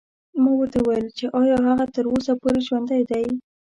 ما ورته وویل چې ایا هغه تر اوسه پورې ژوندی دی.